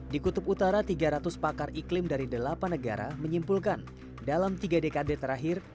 di kutub utara tiga ratus pakar iklim dari delapan negara menyimpulkan dalam tiga dekade terakhir